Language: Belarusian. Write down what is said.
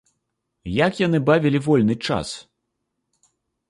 Як яны бавілі вольны час?